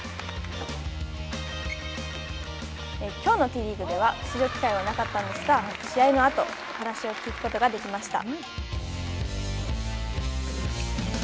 きょうのＴリーグでは出場機会はなかったんですが、試合のあと話を聞くことができました。